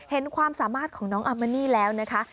เห็นความสามารถของน้องอามณีแล้วนะคะ